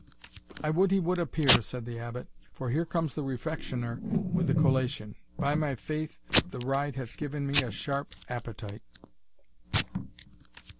"I would he would appear," said the Abbot, "for here comes the Refectioner with the collation By my faith, the ride hath given me a sharp appetite!"